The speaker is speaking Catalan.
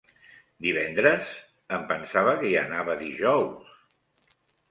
Divendres? Em pensava que hi anava dijous.